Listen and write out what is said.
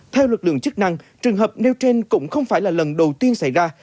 theo lực lượng chức năng trường hợp nêu trên cũng không phải là lần đầu tiên xảy ra